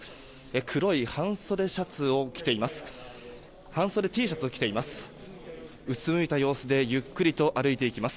黒い半袖Ｔシャツを着ています。